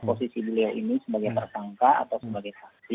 posisi beliau ini sebagai tersangka atau sebagai saksi